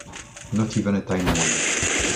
Not even a tiny one.